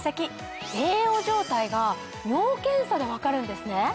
栄養状態が尿検査で分かるんですね？